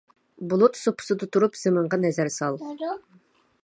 بۇلۇت سۇپىسىدا تۇرۇپ زېمىنغا نەزەر سال.